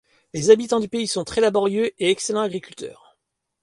Les habitants du pays sont très laborieux et excellent agriculteurs.